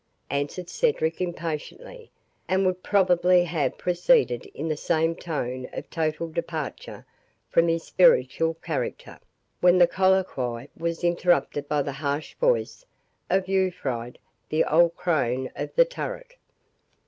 answered Cedric impatiently, and would probably have proceeded in the same tone of total departure from his spiritual character, when the colloquy was interrupted by the harsh voice of Urfried, the old crone of the turret.